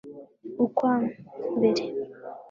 ukwa mbere